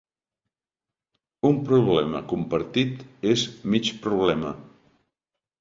Un problema compartit és mig problema.